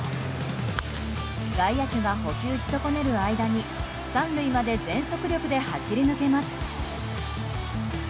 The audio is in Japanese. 外野手が捕球し損ねる間に３塁まで全速力で走り抜けます。